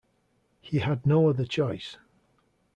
He had no other choice.